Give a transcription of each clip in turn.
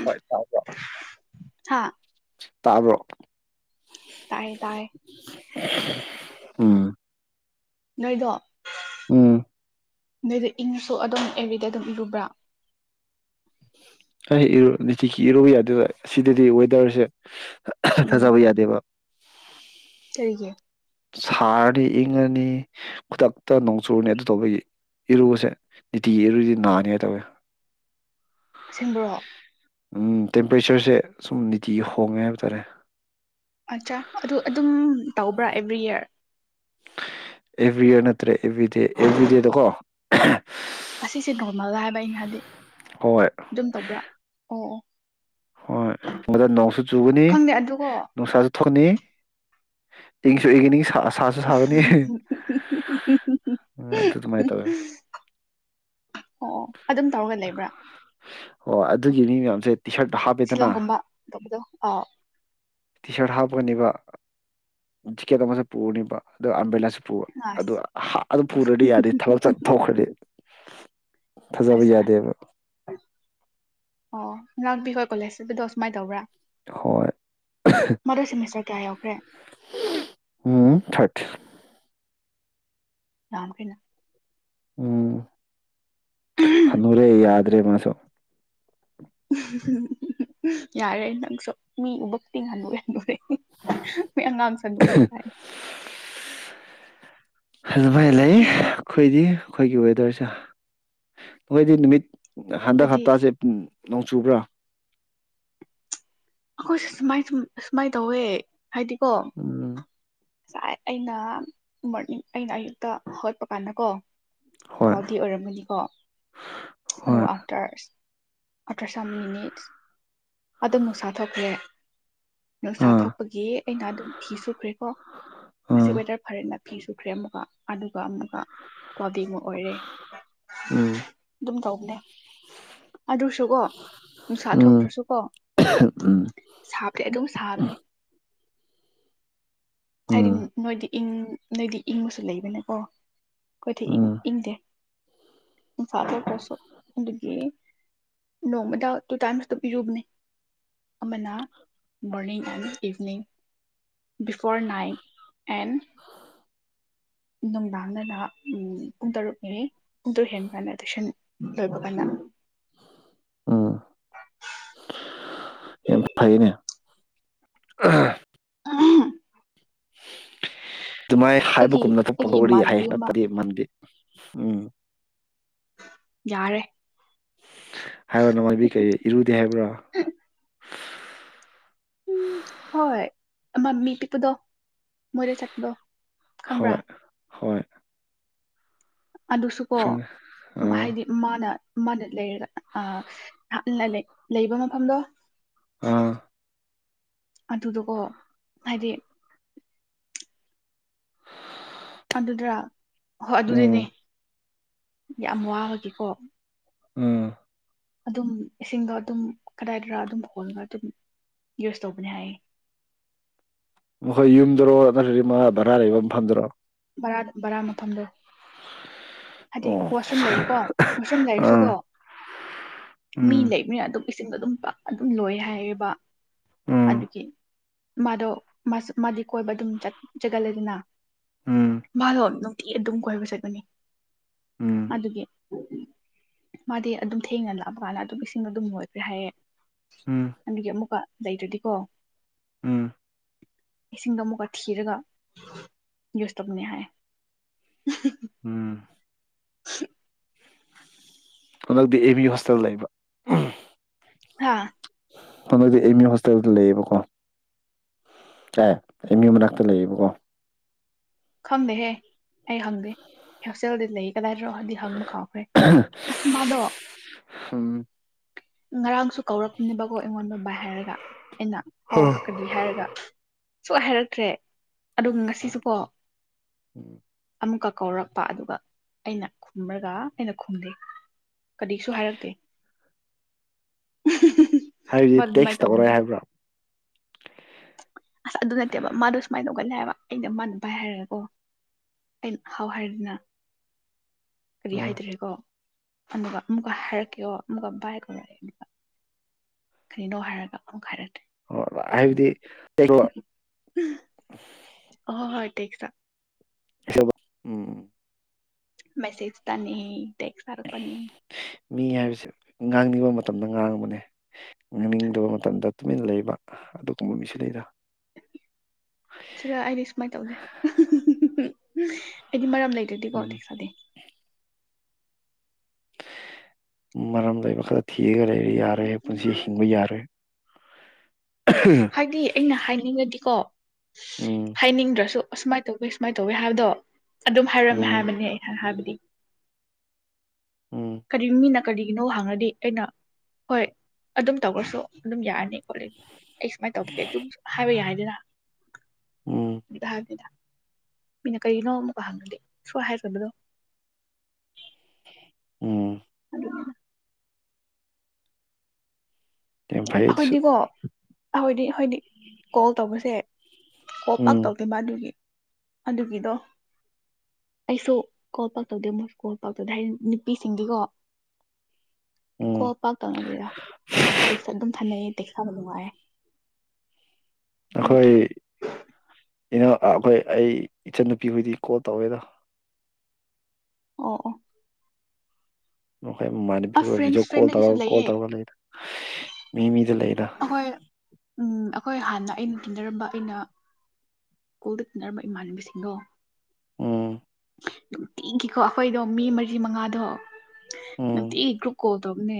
ꯍꯣꯏ ꯇꯥꯕ꯭ꯔꯣ ꯍꯥ ꯇꯥꯕ꯭ꯔꯣ ꯇꯥꯏꯌꯦ ꯇꯥꯏꯌꯦ ꯎꯝ ꯅꯣꯏꯗꯣ ꯎꯝ ꯑꯗꯨꯏꯗ ꯏꯪꯁꯨ ꯑꯗꯨꯝ ꯑꯦꯔꯤꯗ ꯑꯗꯨꯝ ꯏꯔꯨꯕ꯭ꯔꯥ ꯑꯩ ꯏꯔꯨ ꯅꯤꯇꯤꯒꯤ ꯏꯔꯨꯕ ꯌꯥꯗꯦꯗ ꯁꯤꯗꯗꯤ ꯋꯦꯗꯔꯁꯦ ꯊꯖꯕ ꯌꯥꯗꯦꯕ ꯀꯦ ꯁꯥꯔꯅꯤ ꯏꯪꯉꯅꯤ ꯈꯨꯗꯛꯇ ꯅꯣꯡꯆꯨꯔꯅꯤ ꯑꯗꯨ ꯇꯧꯕ ꯏꯔꯨꯕꯁꯦ ꯅꯤꯇꯤꯒꯤ ꯏꯔꯨꯏꯗꯤ ꯅꯥꯅꯤ ꯍꯥꯏ ꯇꯧꯋꯦ ꯁꯦꯡꯕ꯭ꯔꯣ ꯎꯝ ꯇꯦꯝꯄꯔꯦꯆꯔꯁꯦ ꯁꯨꯝ ꯅꯤꯇꯤꯒꯤ ꯍꯣꯡꯉꯦ ꯍꯥꯏꯕ ꯇꯥꯔꯦ ꯑꯠꯆꯥ ꯑꯗꯨ ꯑꯗꯨꯝ ꯇꯧꯕ꯭ꯔꯥ ꯑꯦꯚ꯭ꯔꯤ ꯏꯌꯔ ꯑꯦꯚ꯭ꯔꯤꯔ ꯅꯠꯇ꯭ꯔꯦ ꯑꯦꯕ꯭ꯔꯤꯗꯦ ꯑꯦꯕ꯭ꯔꯤꯗꯦꯗꯀꯣ ꯑꯁꯤꯁꯦ ꯅꯣꯔꯃꯦꯜꯗ ꯍꯥꯏꯕ ꯑꯩꯅ ꯍꯥꯏꯕꯤ ꯍꯣꯏ ꯑꯗꯨꯝ ꯇꯧꯕ꯭ꯔꯥ ꯑꯣ ꯑꯣ ꯍꯣꯏ ꯑꯗꯨꯗ ꯅꯧꯁꯨ ꯆꯨꯒꯅꯤ ꯈꯪꯗꯦ ꯑꯗꯨꯀꯣ ꯅꯨꯡꯁꯥꯁꯨ ꯊꯛꯅꯤ ꯁꯨ ꯏꯒꯅꯤ ꯁꯥꯁꯨ ꯁꯥꯒꯅꯤ ꯑꯗꯨ ꯑꯗꯨꯃꯥꯏꯅ ꯇꯧꯋꯦ ꯑꯣ ꯑꯣ ꯑꯗꯨꯝ ꯇꯧꯔꯒ ꯂꯩꯕ꯭ꯔꯥ ꯑꯣ ꯑꯗꯨꯒꯤ ꯃꯤ ꯃꯌꯥꯝꯁꯦ ꯇꯤ ꯁꯥꯔꯠꯇ ꯍꯥꯞꯄꯦꯗꯅ ꯁꯤꯂꯣꯡꯒꯨꯝꯕ ꯇꯧꯕꯗꯣ ꯑꯥꯎ ꯇꯤ ꯁꯥꯔꯠ ꯍꯥꯞꯀꯅꯦꯕ ꯆ ꯀꯦ ꯇꯃꯁꯦ ꯄ ꯄꯨꯔꯅꯤꯃ ꯑꯗꯨꯗꯣ ꯑꯝꯕꯦꯂꯁꯤ ꯑꯗꯨ ꯑꯁ ꯑꯗꯨ ꯄꯨꯔꯗꯤ ꯌꯥꯗꯦ ꯊꯕꯛ ꯆꯠꯊꯈ꯭ꯔꯗꯤ ꯊꯖꯕ ꯑꯁ ꯑꯁ ꯌꯥꯗꯦꯕ ꯑꯣ ꯉꯔꯥꯡꯄꯤ ꯍꯣꯏ ꯀꯣꯂꯦꯖꯁꯤꯗꯣ ꯁꯨꯃꯥꯏꯅ ꯇꯧꯕ꯭ꯔꯥ ꯍꯣꯏ ꯃꯗꯨ ꯁꯦꯃꯤꯁꯇꯔ ꯀꯌꯥ ꯌꯥꯎꯈ꯭ꯔꯦ ꯎꯝ ꯊꯥꯔꯠ ꯌꯥꯝꯝ ꯀꯅ ꯎꯝ ꯍꯅꯔꯦ ꯌꯥꯔ ꯑꯗꯨꯗ꯭ꯔꯦꯃꯁ ꯌꯥꯔꯦ ꯅꯪꯁꯨ ꯃꯤ ꯎꯕꯛꯇꯤ ꯉꯟꯗꯣꯛꯦ ꯍꯥꯏꯟꯗꯦ ꯃꯤ ꯑꯉꯥꯡ ꯁꯪ ꯍꯥꯏ ꯑꯗꯨꯃꯥꯏꯅ ꯂꯩ ꯑꯩꯈꯣꯏꯗꯤ ꯑꯩꯈꯣꯏꯒꯤ ꯋꯦꯗꯔꯁꯦ ꯃꯣꯏꯗꯤ ꯅꯨꯃꯤꯠ ꯍꯟꯗꯛ ꯑꯩꯈꯣꯏꯗꯤ ꯍꯞꯇꯥꯁꯦ ꯅꯣꯡ ꯆꯨꯕ꯭ꯔꯥ ꯑꯩꯈꯣꯏ ꯁꯨꯃꯥꯏ ꯁꯨꯃꯥꯏꯅ ꯇꯧꯋꯦ ꯍꯥꯏꯥꯏꯗꯤ ꯀꯣ ꯎꯝ ꯉꯁꯥꯏ ꯑꯩꯅ ꯃꯣꯔꯅꯤꯡ ꯑꯩꯅ ꯑꯌꯨꯛꯇ ꯍꯧꯒꯠꯄ ꯀꯥꯟꯗ ꯀꯣ ꯍꯣꯏ ꯀꯥꯎꯗꯤ ꯑꯣꯏꯔꯝꯃꯅꯤꯀꯣ ꯑ ꯍꯣꯏ ꯑꯇꯔꯁ ꯑꯊ꯭ꯔ ꯁꯝ ꯃꯤꯅꯤꯠꯁ ꯑꯗꯨꯝ ꯅꯨꯡꯁꯥ ꯊꯣꯛꯂꯦ ꯅꯨꯡꯁꯥ ꯑꯥ ꯊꯣꯛꯄꯒꯤ ꯑꯩꯅ ꯑꯗꯨꯝ ꯐꯤ ꯁꯨꯈ꯭ꯔꯦꯀꯣ ꯃꯁꯤ ꯑꯥ ꯋꯦꯗꯔ ꯐꯔ ꯂꯦ ꯐꯤ ꯁꯨꯈ꯭ꯔꯦ ꯑꯃꯨꯛꯀ ꯑꯗꯨꯒ ꯑꯃꯨꯛꯀ ꯀ꯭ꯋꯥꯕꯤꯃꯨꯛ ꯑꯣꯏꯔꯦ ꯎꯝ ꯗꯦ ꯑꯗꯨꯁꯨꯀꯣ ꯅꯨꯡꯁꯥ ꯎꯝ ꯊꯣꯛꯇ꯭ꯔꯁꯨ ꯀꯣ ꯎꯝ ꯁꯥꯕꯗꯤ ꯑꯗꯨꯝ ꯁꯥꯕꯅꯤ ꯍꯥꯏꯗꯤ ꯎꯝ ꯅꯣꯏꯗꯤ ꯏꯪ ꯅꯣꯏꯗꯤ ꯏꯪꯕꯁꯨ ꯂꯩꯕꯅꯦꯀꯣ ꯑꯩꯣꯏꯗꯤ ꯎꯝ ꯏꯪꯗꯦ ꯏꯝꯐꯥꯜꯇꯣꯇꯁꯨ ꯍꯗꯒꯤ ꯅꯣꯡꯃꯗ ꯇꯨ ꯇꯥꯏꯝꯁꯇ ꯄꯤꯔꯨꯕꯅꯤ ꯑꯃꯅ morning and evening four nine and ꯅꯨꯡꯗꯥꯡꯗꯗ ꯄꯨꯡ ꯇꯔꯨꯛꯅꯤꯅꯤ ꯄꯨꯇꯔꯨꯛ ꯍꯦꯟꯕꯥꯟꯅ ꯑꯦꯃꯤꯁꯟ ꯂꯣꯏꯕ ꯀ ꯎꯝ [unintelligible] ꯍꯥꯏꯗꯤꯅꯦ ꯑꯩꯒꯤ ꯑꯗꯨꯃꯥꯏ ꯍꯥꯏꯕꯒꯨꯝꯅ ꯑꯩꯒꯤ ꯊꯣꯛꯄꯒꯔꯤ ꯍꯥꯏ ꯏꯃꯥꯟꯅꯕꯤ ꯑꯃ ꯅꯠꯇꯔꯤ ꯃꯟꯗꯤ ꯎꯝ ꯌꯥꯔꯦ ꯍꯥꯏꯕ ꯅꯅꯨꯡꯉꯥꯏꯕꯤ ꯀꯩ ꯏꯔꯨꯗꯦ ꯍꯥꯏꯕ꯭ꯔꯥ ꯎꯝ ꯍꯣꯏ ꯃꯃꯤ ꯄꯤꯄꯗꯣ ꯃꯣꯏꯔꯦ ꯆꯠꯄꯗꯣ ꯈꯪꯕ꯭ꯔꯥ ꯍꯣꯏ ꯍꯣꯏ ꯑꯗꯨꯁꯨꯀꯣ ꯈꯪꯉꯦ ꯑꯥ ꯍꯥꯏꯗꯤ ꯃꯥꯅ ꯃꯥꯅ ꯂꯩꯔꯒ ꯑ ꯂꯩꯕ ꯃꯐꯝꯗꯣ ꯑꯥ ꯑꯗꯨꯗꯨꯀꯣ ꯍꯥꯏꯗꯤ ꯑꯗꯨꯗ꯭ꯔꯥ ꯍꯣꯏ ꯑꯗꯨꯗꯅꯦ ꯎꯝ ꯌꯥꯝ ꯋꯥꯕꯒꯦꯀꯣ ꯎꯝ ꯑꯗꯨꯝ ꯏꯁꯤꯡꯗꯣ ꯑꯗꯨꯝ ꯀꯗꯥꯏꯗꯔ ꯑꯗꯨꯝ ꯈꯣꯜꯒ ꯑꯗꯨꯝ ꯌꯨꯁ ꯇꯧꯕꯅꯤ ꯍꯥꯏꯌꯦ ꯃꯈꯣꯏ ꯌꯨꯝꯗꯔꯣ ꯅꯠꯇ꯭ꯔꯗꯤ ꯃꯥ ꯚꯔꯥ ꯂꯩꯕ ꯑꯃ ꯐꯝꯗꯔꯣ ꯕꯥ ꯕꯔꯥ ꯃꯐꯝꯗꯣ ꯍꯥꯏꯗꯤ ꯑꯣ ꯋꯥꯁꯔꯨꯝ ꯂꯩꯌꯦꯀꯣ ꯋꯥꯁꯔꯨꯝ ꯂꯩꯔꯁꯨꯀꯣ ꯑꯥ ꯃꯤ ꯎꯝ ꯂꯩꯕꯅꯤꯅ ꯑꯗꯨꯝ ꯏꯁꯤꯡꯗꯣ ꯑꯗꯨꯝ ꯑꯗꯨꯝ ꯂꯣꯏ ꯍꯥꯏꯔꯤꯕ ꯎꯝ ꯑꯗꯨ ꯀꯦ ꯃꯥꯗꯣ ꯃꯥꯗꯤ ꯀꯣꯏꯕ ꯑꯗꯨꯝ ꯆꯒꯠꯂꯦꯗꯅ ꯎꯝ ꯂꯣꯅꯣ ꯤ ꯑꯗꯨꯝ ꯀꯣꯏꯕ ꯆꯠꯀꯅꯤ ꯎꯝ ꯑꯗꯨꯒꯤ ꯃꯥꯗꯤ ꯑꯗꯨꯝ ꯊꯦꯡꯅ ꯂꯥꯛꯄ ꯀꯥꯟꯗ ꯑꯗꯨꯝ ꯏꯁꯤꯡ ꯑꯗꯨꯝ ꯂꯣꯏꯈ꯭ꯔꯦ ꯍꯥꯏꯌꯦꯦ ꯎꯝ ꯑꯗꯨꯒꯤ ꯑꯃꯨꯛꯀ ꯂꯩꯗꯨꯗꯤ ꯀꯣ ꯎꯝ ꯏꯁꯤꯡꯗꯣ ꯑꯃꯨꯛꯀ ꯊꯤꯔꯒ ꯌꯁꯇꯕꯨꯅ ꯍꯥꯏ ꯎꯝ [unintelligible] ꯍꯟꯗꯛꯇꯤ ꯑꯦ ꯕꯤ ꯍꯣꯁꯇꯦꯜ ꯂꯩꯕ ꯍꯥꯥ ꯅꯣꯏꯗꯤ ꯑꯦꯝ ꯌꯨ ꯍꯣꯁꯇꯦꯜꯗ ꯂꯩꯌꯦꯕꯀꯣ ꯑꯦ ꯑꯦꯝ ꯌꯨ ꯃꯅꯥꯛꯇ ꯂꯩꯌꯦꯕꯀꯣ ꯈꯪꯗꯦꯍꯦ ꯑꯩ ꯍꯪꯗꯦ ꯍꯛꯁꯦꯜꯗꯤ ꯂꯩ ꯀꯗꯥꯏ ꯔꯣꯍꯗꯤ ꯍꯜꯃ ꯀꯥꯎꯈ꯭ꯔꯦ ꯑꯁꯃꯗꯣ ꯎꯝ ꯉꯔꯥꯡꯁꯨ ꯀꯧꯔꯛꯄꯅꯦꯕꯀꯣ ꯑꯩꯉꯣꯟꯗ ꯕꯥꯏ ꯍꯥꯏꯔꯒ ꯑꯩꯅ ꯍꯋꯥ ꯍꯥꯛꯀꯗꯤ ꯍꯥꯏꯔꯒ ꯁꯨ ꯍꯥꯏꯔꯛꯇ꯭ꯔꯦ ꯑ ꯉꯁꯤꯁꯨ ꯀꯣ ꯎꯝ ꯑꯃꯨꯛꯀ ꯀꯧꯔꯛꯄ ꯑꯗꯨꯒ ꯑꯩꯅ ꯈꯨꯝꯔꯒ ꯑꯩꯅ ꯈꯨꯝꯗꯦ ꯀꯔꯤꯁꯨ ꯍꯥꯏꯔꯛꯇꯦ ꯍꯥꯏꯕꯗꯤ ꯃꯥꯗꯨ ꯑꯗꯨꯃꯥꯏꯅ ꯇꯦꯛꯁ ꯇꯧꯕꯅꯦ ꯇꯧꯔꯣꯏ ꯍꯥꯏꯕ꯭ꯔꯥ ꯑꯁ ꯑꯗꯨ ꯅꯠꯇꯦꯕ ꯃꯥꯗ ꯁꯨꯃꯥꯏꯅ ꯇꯧ ꯍꯧꯒꯠꯂꯦ ꯍꯥꯏꯕ ꯑꯩꯅ ꯃꯟ ꯄꯥꯏ ꯍꯥꯏꯔꯒ ꯑꯣ ꯑꯩꯅ ꯍꯥꯎ ꯍꯥꯏꯔꯗꯅ ꯀꯔꯤ ꯑ ꯍꯥꯏꯗ꯭ꯔꯦꯀꯣ ꯑꯗꯨꯒ ꯑꯃꯨꯛꯀ ꯍꯥꯏꯔꯛꯀꯦꯣ ꯑꯃꯨꯛꯀ ꯕꯥꯏ ꯀꯔꯛꯑꯦ ꯑꯗꯨꯒ ꯀꯔꯤꯅꯣ ꯍꯥꯏꯔꯒ ꯑꯃꯨꯛꯀ ꯍꯥꯏꯔꯛꯀꯦ ꯑꯣ ꯍꯥꯏꯕꯗꯤ ꯀ ꯑꯣ ꯍꯣꯏ ꯇ ꯆꯥ ꯁꯕ ꯎꯝ ꯃꯦꯁꯦꯖ ꯇꯅꯤ ꯇꯦꯛꯁ ꯊꯥꯔꯛꯄꯅꯤ ꯃꯤ ꯍꯥꯏꯕꯁꯦ ꯉꯥꯡꯅꯤꯡꯕ ꯃꯇꯝ ꯃꯇꯝꯗ ꯉꯥꯡꯕꯅꯦ ꯉꯥꯡꯅꯤꯡꯗꯕ ꯃꯇꯝꯗ ꯇꯨꯃꯤꯟꯅ ꯂꯩꯕ ꯑꯗꯨꯒꯨꯝꯕ ꯃꯤꯁꯨ ꯂꯩꯗ ꯁꯤꯔ ꯑꯩꯗꯤ ꯁꯨꯃꯥꯏꯅ ꯇꯧꯗꯦ ꯎꯝ ꯃꯔꯝ ꯂꯩꯗ꯭ꯔꯗꯤꯀꯣ ꯎꯝ ꯗꯦꯛꯁꯥꯗꯦ ꯃꯔꯔꯝꯗꯏ ꯃꯈ ꯊꯦꯒꯔ ꯂꯩ ꯌꯥꯔ ꯄꯨꯣꯟꯁꯤ ꯍꯤꯡꯕ ꯌꯥꯔ ꯍꯥꯏꯗꯤ ꯑꯩꯅ ꯍꯥꯏꯅꯤꯡꯉꯗꯤꯀꯣ ꯎꯝ ꯍꯥꯏꯅꯤꯡꯗ꯭ꯔꯁꯨ ꯑꯨꯃꯥꯏꯅ ꯇꯧꯒꯦ ꯁꯨꯃꯥꯏ ꯇꯧꯦ ꯍꯥꯏꯕꯗꯣ ꯑꯗꯨꯝ ꯍꯥꯏꯔꯝꯃꯦ ꯎꯝ ꯍꯥꯏꯕꯅꯦ ꯑꯩ ꯍꯥꯏꯕꯅꯤ [inaudible] ꯎꯝ ꯀꯔꯤꯃꯤ ꯅ ꯀꯔꯤꯒꯤꯅꯣ ꯍꯥꯡꯉꯗꯤ ꯑꯩꯅ ꯍꯣꯏ ꯑꯗꯨꯝ ꯇꯧꯔ꯭ꯔꯁꯨ ꯑꯗꯨꯝ ꯌꯥꯔꯅꯤ ꯈꯣꯠꯂꯅꯤ ꯑꯩ ꯁꯨꯃꯥꯏꯅ ꯇꯧꯒꯦ ꯑꯗꯨꯝ ꯍꯥꯏꯕ ꯌꯥꯏꯗꯅ ꯎꯝ ꯊ ꯑꯗꯨꯗꯥ ꯃꯤꯅ ꯀꯔꯤꯅꯣ ꯑꯃꯨꯛꯀ ꯍꯪꯒꯂ ꯁꯣ ꯍꯥꯏꯕꯗꯣ ꯑꯣꯝ ꯌꯥꯝ ꯐꯩ ꯑꯗꯨꯁꯨ ꯑꯩꯈꯣꯏꯗꯤꯀꯣ ꯑꯩꯈꯣꯏꯗꯤ ꯑꯩꯈꯣꯏꯗꯤ ꯀꯣꯜ ꯇꯧꯕꯁꯦ ꯀꯣ ꯄꯥꯛ ꯎꯝ ꯇꯧꯒꯦ ꯃꯥꯗꯨꯒꯤ ꯑꯗꯨꯒꯤꯗꯣ ꯑꯩꯁꯨ ꯀꯣꯜ ꯄꯥꯛ ꯇꯧꯗꯦ ꯃꯣꯏꯁꯨ ꯀꯣꯜ ꯄꯥꯛ ꯇꯧꯗꯦ ꯍꯥꯏꯗꯤ ꯅꯨꯄꯤꯁꯤꯡꯒꯤꯀꯣ ꯎꯝ ꯀꯣꯄꯥ ꯀꯔꯥ ꯊꯌꯦꯦ ꯅꯨꯡꯉꯥꯏ ꯑꯩꯈꯣꯏ ꯏꯩꯅ ꯑꯩꯈꯣꯏ ꯑꯩ ꯏꯆꯟꯟꯅꯨꯄꯤ ꯍꯣꯏꯗꯤ ꯀꯣꯜ ꯇꯧꯋꯦꯗ ꯑꯣ ꯑꯣ ꯑꯁ ꯍꯣꯏ ꯐ꯭ꯔꯦꯟꯁ ꯃꯤꯗꯤꯑꯣ ꯀꯣ ꯇꯧꯔ ꯐ꯭ꯔꯦꯟꯗꯒꯤꯁꯨ ꯀꯣ ꯂꯩꯌꯦ ꯇꯧꯔ ꯂ ꯂꯩ ꯃꯤꯃꯤ ꯑꯩꯈꯣꯏ ꯎꯝ ꯑꯩꯈꯣꯏ ꯍꯥꯟꯅ ꯑꯩꯅ ꯇꯤꯟꯅꯔꯝꯕ ꯑꯩꯅ ꯁ꯭ꯀꯨꯜꯗ ꯇꯤꯟꯅꯔꯝꯕ ꯏꯃꯥꯟꯅꯕꯤꯁꯤꯡꯗꯣ ꯎꯝ ꯅꯨꯡ ꯇꯤꯈꯤꯀꯣ ꯑꯩꯈꯣꯏꯗꯣ ꯃꯤ ꯃꯔꯤ ꯃꯉꯥꯗꯣ ꯃ ꯎꯝ ꯏꯒ꯭ꯔ ꯀꯣ ꯄꯇꯣꯞꯅꯦ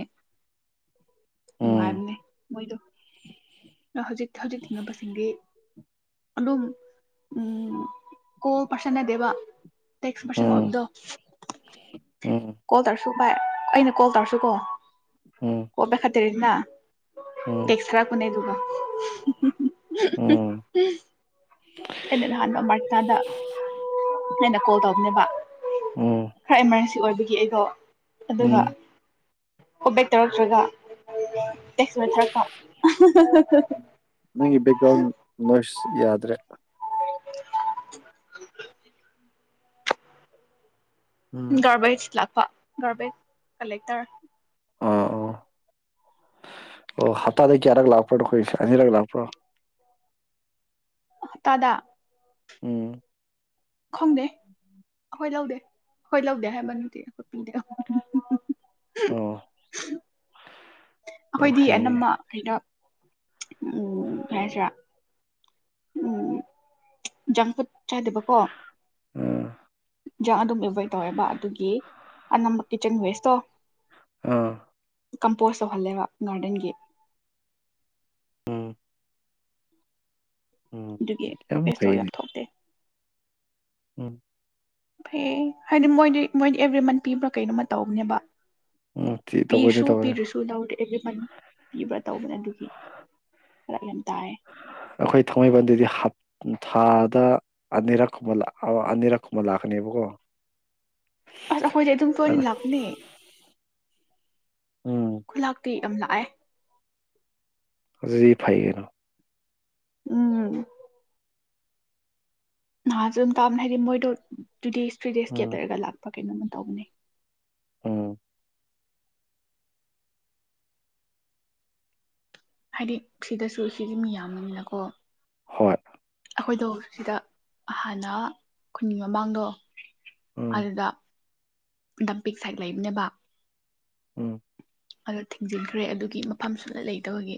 ꯎꯝ ꯇꯨꯃꯔꯅꯦ ꯑꯣꯏꯗꯣ ꯍꯧꯖꯤꯛ ꯍꯧꯖꯤꯛ ꯇꯤꯟꯅꯕꯁꯤꯡ ꯗꯤ ꯑꯗꯨꯝ ꯎꯝ ꯀꯣ ꯄꯔꯁꯟꯅ ꯗꯦꯕ ꯦꯛꯁ ꯄꯔꯁꯟ ꯎꯝ ꯍꯕꯗꯣ ꯎꯝ ꯀꯣ ꯇ꯭ꯔ ꯁꯨ ꯚꯥꯏ ꯑꯩꯅ ꯀꯣꯜ ꯇꯧꯔꯁꯨꯀꯣ ꯎꯝ ꯀꯕ ꯈ ꯅ ꯎꯝ ꯇꯦꯛꯁꯇ꯭ꯔꯥ ꯀꯅꯦꯗꯨ ꯎꯝ [inaudible] ꯅ ꯅꯍꯥꯟꯕ ꯃꯔꯇꯗꯟꯅ ꯀꯣꯜ ꯇꯧ ꯑꯗꯨ ꯎꯝ ꯍ ꯏꯃꯔ ꯑꯣꯏꯕꯒꯤ ꯑꯩꯗꯣ ꯑꯗꯨꯒ ꯎꯝ ꯀꯣꯕꯦꯛ ꯇꯧꯔꯛꯇ꯭ꯔꯒ ꯇꯦꯛꯁꯃꯤꯠꯇ꯭ꯔꯀ ꯌꯥꯗ ꯔꯦ [inaudible] ꯎꯝ ꯒꯥꯔꯕꯦꯁ ꯂꯥꯛꯄ ꯒꯔꯕꯦꯁ ꯀꯂꯦꯛꯇꯔ ꯑ ꯑꯣꯗꯤ ꯀꯔꯒ ꯂꯥꯛ ꯄ ꯀꯣꯏ ꯑꯅꯤꯔꯒ ꯂꯥꯛꯄꯣ ꯇꯗꯥ ꯎꯝ ꯈꯣꯡꯗꯦ ꯑꯩꯈꯣꯏ ꯂꯧꯗꯦ ꯑꯩꯈꯣꯏ ꯂꯧꯗꯦ ꯍꯥꯏꯕꯅꯗꯤ ꯑꯩꯈꯠ ꯄꯗꯦ ꯑꯣ ꯌꯥꯝ ꯑꯩꯈꯣꯏꯗꯤ ꯍꯩꯅꯦ ꯑꯅꯝꯕ ꯀꯩꯅꯣ ꯎꯝ ꯐꯦꯁ꯭ꯔꯥ ꯎꯝ ꯖꯪꯀꯠ ꯆꯥꯗꯕꯀꯣ ꯎꯝ ꯌꯦꯟꯖꯥꯡ ꯑꯗꯨꯝ ꯑꯦꯚꯣꯏꯠ ꯇꯧꯋꯦꯕ ꯑꯗꯨꯒꯤ ꯑꯅꯝꯕ ꯀꯤꯠꯆꯟ ꯋꯦꯁꯇꯣ ꯑꯥ ꯀꯝꯄꯣꯁ ꯇꯧꯍꯜꯂꯦꯕ ꯒꯥꯔꯗꯦꯟꯒꯤ ꯎꯝ ꯎꯝ ꯑꯗꯨꯒꯤ ꯐꯦꯁꯇꯧ ꯌꯥꯝ ꯊꯣꯛꯇꯦ ꯎꯝ ꯐꯦ ꯍꯥꯏꯗꯤ ꯃꯣꯏꯗꯤ ꯃꯣꯏꯗꯤ ꯑꯦꯕ꯭ꯔꯤ ꯃꯟꯠ ꯄꯤꯕ꯭ꯔꯥ ꯀꯩꯅꯣꯝꯃ ꯇꯧꯕꯅꯦꯕ ꯎꯝ ꯊꯤ ꯇꯧꯕꯅꯦ ꯄꯤꯁꯨ ꯇꯧꯕꯅꯦ ꯄꯤꯔꯁꯨꯗꯥꯎꯠ ꯑꯦꯕꯔꯤ ꯃꯅꯤ ꯄꯤꯕ꯭ꯔꯥ ꯇꯧꯕꯅ ꯑꯗꯨꯒꯤ ꯌꯥꯝ ꯇꯥꯏꯔ ꯑꯩꯈꯣꯏ ꯊꯥꯡꯃꯩꯕꯟꯗꯨꯗꯤ ꯍꯞ ꯊꯥꯗ ꯑꯅꯤꯔꯛꯨꯝꯕ ꯑꯅꯤꯔꯛ ꯀꯨꯝꯕ ꯂꯥꯛꯀꯅꯦꯕꯀꯣ ꯑꯁ ꯑꯩꯈꯣꯏꯁꯦ ꯑꯗꯨꯝ ꯐꯅꯤ ꯑꯁ ꯂꯥꯛꯅꯦ ꯎꯝ ꯈꯨꯣꯏꯂꯥꯛꯇꯤ ꯌꯥꯝ ꯂ ꯑ ꯖꯤ ꯐꯥꯏꯒꯅ ꯎꯝ ꯑ ꯑꯗꯨꯟ ꯀꯝ ꯍꯥꯏꯗꯤ ꯃꯣꯏ ꯇꯨ ꯗꯦꯁ ꯊ꯭ꯔꯤ ꯗꯦꯁ ꯎꯝ ꯀꯦꯇꯔꯒ ꯂꯥꯛꯄ ꯀꯩꯅꯣꯝꯃ ꯇꯧꯕꯅꯦ ꯎꯝ ꯍꯥꯏꯗꯤ ꯁꯤꯗꯁꯨ ꯁꯤꯗꯤ ꯃꯤ ꯌꯥꯝꯃꯤꯅꯤꯅꯀꯣ ꯍꯠ ꯑꯩꯈꯣꯏꯗꯣ ꯁꯤꯗ ꯍꯥꯟꯅ ꯈꯨꯟꯒꯤ ꯃꯃꯥꯡꯗꯣ ꯎꯝ ꯑꯗꯨꯗ ꯗꯝꯄꯤꯛ ꯁꯥꯏꯠ ꯂꯩꯕꯅꯦꯕ ꯎꯝ ꯑꯗꯣ ꯊꯤꯡꯖꯤꯟꯈ꯭ꯔꯦ ꯑꯗꯨꯒꯤ ꯃꯐꯝ ꯁꯨꯅ ꯂꯩꯇꯕꯒꯤ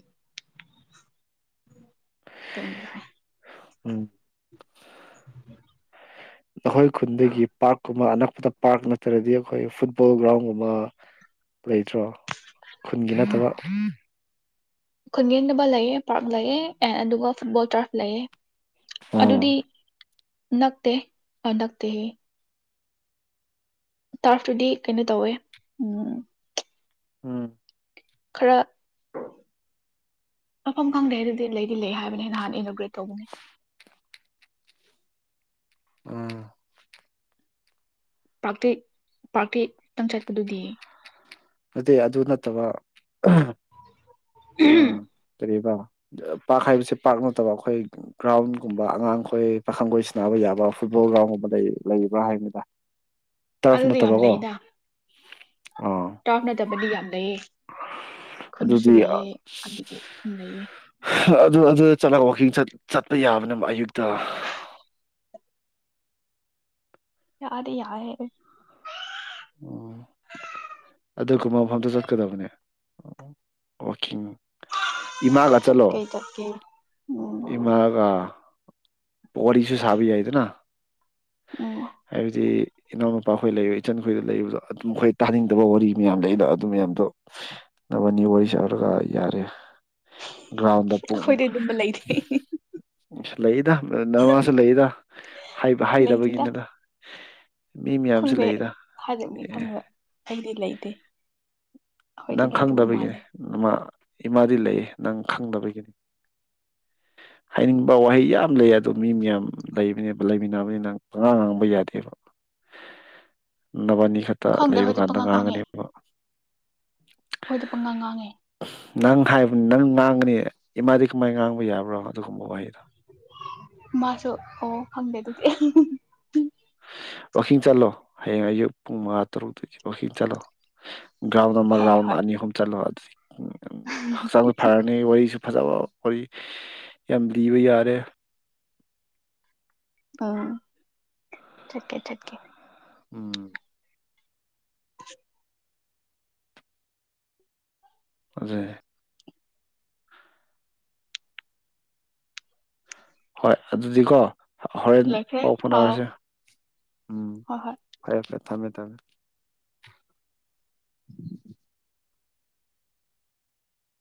ꯇ ꯂ ꯎꯝ ꯅꯈꯣꯏ ꯈꯨꯟꯗꯒꯤ ꯄꯥꯔꯛꯀꯨꯝꯕ ꯑꯅꯛ ꯈꯨ ꯄꯥꯔꯛ ꯅꯠꯇ꯭ꯔꯗꯤ ꯑꯩꯈꯣꯏ ꯐꯨꯠꯕꯣꯜ ꯒ꯭ꯔꯥꯎꯟꯒꯨꯝꯕ ꯂꯩꯇ꯭ꯔꯣ ꯈꯨꯟꯒꯤ ꯅꯠꯇꯕ ꯈꯨꯟ ꯌꯦꯅꯕ ꯂꯩꯑ ꯄꯥꯔꯛ ꯂꯩꯑꯦ ꯑꯦꯟ ꯑꯗꯨꯒ ꯐꯨꯠꯕꯣꯜ ꯇꯔꯐ ꯂꯩꯑꯦ ꯎꯝ ꯑꯗꯨꯗꯤ ꯅꯛꯇ ꯅꯛꯇ ꯍ ꯇꯥꯔꯐꯇꯨꯗꯤ ꯀꯩꯅꯣ ꯇꯧꯋꯦ ꯎꯝ ꯎꯝ ꯈꯔ ꯃꯐꯝ ꯈꯪꯗꯦ ꯑꯗꯨꯗꯤ ꯂꯩꯗꯤ ꯂꯩ ꯍꯥꯏꯕꯅꯦ ꯅꯍꯥꯟꯅ ꯏꯅꯣꯒ꯭ꯔꯦꯠ ꯇꯧꯕꯅꯤ ꯑꯥ ꯄꯥꯥꯛꯔꯇꯦ ꯄꯥꯥꯛꯔꯇꯦꯛꯇꯪ ꯆꯠꯄꯗꯨꯗꯤ ꯑꯗꯨ ꯑꯗꯨ ꯅꯠꯇꯕ ꯑꯥ ꯁꯔꯤ ꯄꯥ ꯄꯥꯔꯛ ꯍꯥꯏꯕꯕꯁꯤꯦ ꯄꯥꯔꯛ ꯅꯠꯇꯕ ꯑꯩꯈꯣꯏ ꯒ꯭ꯔꯥꯎꯟꯒꯨꯝꯕ ꯑꯉꯥꯡꯈꯣꯏ ꯄꯥꯈꯪꯈꯣꯏ ꯁꯟꯅꯕ ꯌꯥꯕ ꯐꯨꯠꯕꯣꯜ ꯒ꯭ꯔꯥꯎꯟꯒꯨꯝꯕ ꯂꯩ ꯂꯩꯕ꯭ꯔꯥ ꯍꯥꯏꯅꯤꯗ ꯑꯗꯨꯗꯤ ꯌꯥꯝ ꯂꯩꯗ ꯑꯣ ꯇꯥꯎꯅꯗꯕꯗꯤ ꯌꯥꯝ ꯂꯩꯑ ꯈꯨꯅꯁꯨ ꯑꯗꯨꯗꯤ ꯂꯩꯑꯦ ꯑꯗꯒꯤ ꯑꯗꯨ ꯂꯩꯑ ꯑꯗꯨ ꯑꯗꯨ ꯆꯠꯂꯒ ꯋꯥꯛꯀꯤꯡ ꯆꯠꯄ ꯌꯥꯕꯅ ꯑꯌꯨꯛꯇ ꯌꯥꯗ ꯌꯥ ꯑꯗꯨꯒ ꯀꯨꯝꯕ ꯃꯐꯝꯗ ꯆꯠꯀꯗꯕꯅꯦ ꯋꯥꯋꯥꯛꯀꯤꯡ ꯏꯃꯥꯒ ꯆꯠꯂꯣ ꯆꯠꯀꯦ ꯆꯠꯀꯦ ꯎꯝ ꯏꯃꯥꯒ ꯄ ꯏꯁꯨ ꯁꯕꯤ ꯌꯥꯗꯅ ꯎꯝ ꯍꯥꯏꯗꯤ ꯏꯅꯥꯎꯅꯨꯄꯥꯈꯣꯏ ꯂꯩ ꯏꯆꯟ ꯈꯣꯏꯗ ꯂꯩꯕꯗꯣ ꯑꯗꯨꯝ ꯑꯩꯣꯏ ꯇꯥꯅꯤꯡꯗꯕ ꯋꯥꯔꯤ ꯃꯌꯥꯝ ꯂꯩꯗꯣ ꯑꯗꯨ ꯃꯌꯥꯝꯗꯣꯅꯕꯅꯤ ꯋꯥꯔꯤ ꯁꯥꯔꯒ ꯌꯥꯔꯦ ꯭ꯔꯥꯎꯟꯗ ꯑꯩꯈꯣꯏꯗꯤ ꯑꯗꯨꯝꯕ ꯂꯩꯇꯦ ꯂꯩ ꯅꯃꯥꯁꯨ ꯂꯩꯗꯕ ꯂꯩꯇꯦꯗ ꯍꯥꯏꯗꯕꯒꯤꯅꯤꯗ ꯃꯤ ꯃꯌꯥꯝꯁꯨ ꯈꯪꯗꯦ ꯂꯩꯔ ꯊꯥꯖꯕꯅꯤ ꯑꯦ ꯈꯪꯕ ꯑꯩꯗꯤ ꯂꯩꯇꯦ ꯑꯩꯈꯣꯏꯗꯤ ꯅꯪ ꯂꯩꯇꯕ ꯃꯥꯜꯂꯦ ꯈꯪꯗꯕꯒꯤꯅꯦꯃ ꯏꯃꯥ ꯂꯩꯦ ꯅꯪ ꯈꯪꯗꯕꯒꯤꯅꯤ ꯍꯥꯏꯅꯤꯡꯕ ꯋꯥꯍꯩ ꯌꯥꯝ ꯂꯩ ꯑꯗꯣ ꯃꯤ ꯃꯌꯥꯝ ꯂꯩꯕꯅꯦ ꯂꯩꯃꯤꯟꯅꯕꯅꯤ ꯅꯪ ꯑꯉꯥꯡ ꯉꯥꯡꯕ ꯌꯥꯗꯦꯕ ꯅꯅꯤ ꯠꯇ ꯈꯪꯗꯦ ꯂꯩꯕ ꯑꯩꯈꯣꯏꯗꯤ ꯀꯥꯟꯗ ꯄꯪꯉꯥꯡ ꯉꯥꯡꯉꯦ ꯉꯥꯡꯒꯅꯦꯕ ꯑꯩꯈꯣꯏꯗꯤ ꯄꯪꯒ ꯉꯥꯡꯉꯦ ꯉꯥꯡꯉꯅꯤ ꯏꯃꯥꯗꯤ ꯀꯃꯥꯏ ꯉꯥꯡꯕ ꯌꯥꯕ꯭ꯔꯣ ꯑꯗꯨꯒꯨꯝꯕ ꯋꯥꯍꯩꯗꯣ ꯃꯥꯁꯨ ꯑꯣ ꯐꯪꯗꯦꯗꯗꯤ ꯋꯥꯋꯥꯛꯀꯤꯡ ꯆꯠꯂꯣ ꯍꯌꯦꯡ ꯑꯌꯨꯛ ꯄꯨꯡ ꯃꯉꯥ ꯇꯔꯨꯛꯇꯒꯤ ꯋꯥꯛꯀꯤꯡ ꯆꯠꯂꯣ ꯒ꯭ꯔꯥꯎꯟ ꯅ ꯑꯃꯔ ꯍꯣꯏ ꯔꯥꯎꯟ ꯍꯣꯏ ꯑꯅꯤ ꯑꯍꯨꯝ ꯆꯠꯂꯨꯔ ꯑꯗꯨꯗꯤ ꯎ ꯆꯪ ꯐꯥꯔꯅꯦ ꯋꯥꯔꯤꯁꯤ ꯐꯖꯕ ꯑꯩ ꯌꯥꯝ ꯂꯤꯕ ꯌꯥꯔꯦ ꯎꯝ ꯆꯠꯀꯦ ꯆꯠꯀꯦ ꯎꯝ [inaudible] ꯑꯗꯨꯗ ꯍꯣꯏ ꯑꯗꯨꯗꯤꯀꯣ ꯍꯣꯔꯦꯟ ꯂꯣꯏꯈ꯭ꯔꯦ ꯄꯥꯎ ꯑꯥꯎ ꯐꯅꯔꯁꯦ ꯎꯝ ꯍꯣꯏ ꯍꯣꯏ ꯐꯔꯦ ꯐꯔꯦ ꯊꯝꯃꯦ ꯊꯝꯃꯦ